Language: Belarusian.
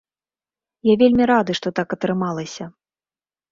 Я вельмі рады, што так атрымалася.